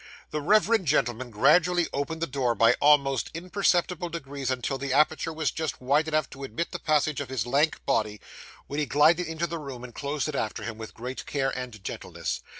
The reverend gentleman gradually opened the door by almost imperceptible degrees, until the aperture was just wide enough to admit of the passage of his lank body, when he glided into the room and closed it after him, with great care and gentleness.